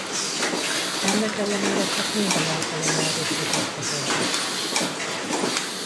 Ennek ellenére csak néhány alkalommal rögzítettek együtt.